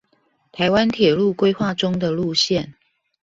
臺灣鐵路規劃中的路線